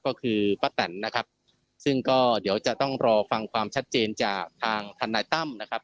ก็คือป้าแตนนะครับซึ่งก็เดี๋ยวจะต้องรอฟังความชัดเจนจากทางทนายตั้มนะครับ